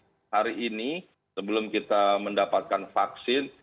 obat yang efektif hari ini sebelum kita mendapatkan vaksin